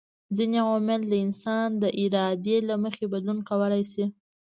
ځيني عوامل د انسان د ارادې له مخي بدلون کولای سي